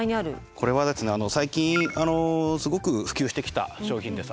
これはですね最近すごく普及してきた商品です。